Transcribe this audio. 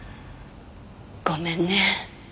ごめんね。